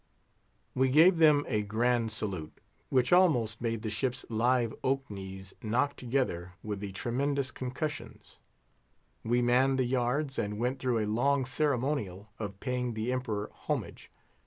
We gave them a grand salute, which almost made the ship's live oak knees knock together with the tremendous concussions. We manned the yards, and went through a long ceremonial of paying the Emperor homage.